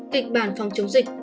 kịch bản phòng chống dịch